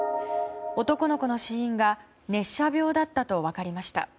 男の子の死因が熱射病だったと分かりました。